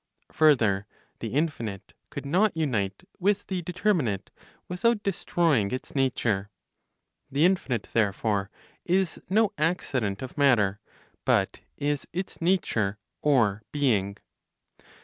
Further, the infinite could not unite with the determinate without destroying its nature. The infinite, therefore, is no accident of matter (but is its nature, or "being").